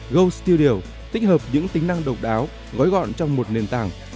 goldstudio tích hợp những tính năng độc đáo gói gọn trong một nền tảng